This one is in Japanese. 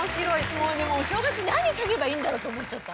もうでもお正月何描けばいいんだろうと思っちゃった。